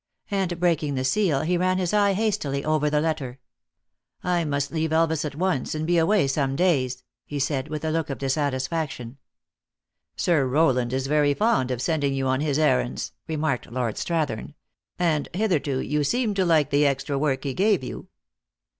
And breaking the seal, he ran his eye hastily over the letter. " I must leave Elvas at once, and be away some days," he said, with a look of dis satisfaction. " Sir Rowland is very fond of sending you on his errands," remarked Lord Strathern. " And, hitherto you seemed to like the extra work he gave you."